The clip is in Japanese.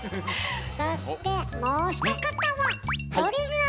そしてもう一方は！